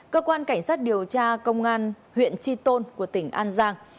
cơ quan cảnh sát điều tra công an huyện tri tôn của tỉnh an giang